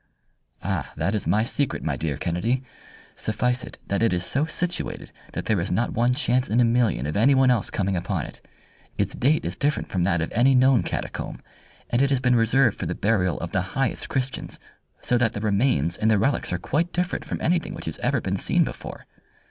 "Ah, that is my secret, my dear Kennedy! Suffice it that it is so situated that there is not one chance in a million of anyone else coming upon it. Its date is different from that of any known catacomb, and it has been reserved for the burial of the highest Christians, so that the remains and the relics are quite different from anything which has ever been seen before.